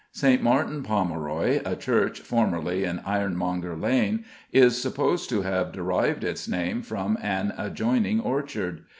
St. Martin Pomeroy, a church formerly in Ironmonger Lane, is supposed to have derived its name from an adjoining orchard.